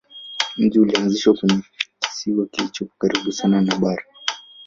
Mji ulianzishwa kwenye kisiwa kilichopo karibu sana na bara.